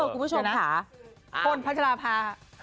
คุณผู้ชมค่ะพ่นพัชราภา